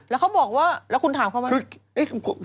แล้วเขาบอกว่าแล้วคุณถามเขาไหม